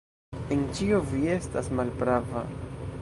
En ĉio vi estas malprava.